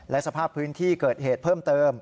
และสภาพพื้นที่เกิดเหตุเพิ่มเติม